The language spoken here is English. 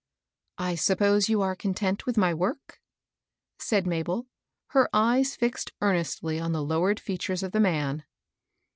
" I suppose you are content with my work ?" said Mabel, her eyes fixed earnestly on the low ered features of the man.